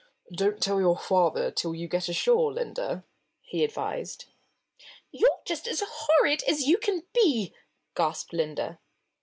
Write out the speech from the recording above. "Don't tell your father till you get ashore, Linda," he advised. "You're just as horrid as you can be!" gasped Linda.